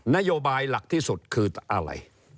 นโยบายหลักที่สุดคืออะไร